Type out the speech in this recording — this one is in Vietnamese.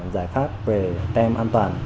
giải pháp về tem an toàn